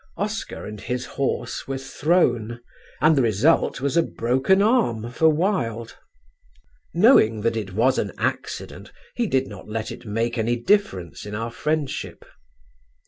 Oscar and his horse were thrown, and the result was a broken arm for Wilde. Knowing that it was an accident, he did not let it make any difference in our friendship.